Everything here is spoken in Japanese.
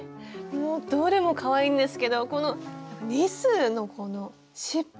もうどれもかわいいんですけどこのリスのこの尻尾。